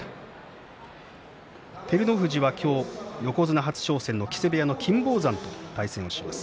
照ノ富士は今日横綱初挑戦の木瀬部屋の金峰山と対戦します。